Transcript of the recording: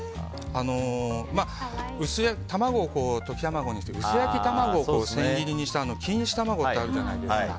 卵を溶き卵にして、薄焼き卵を千切りにした錦糸卵ってあるじゃないですか。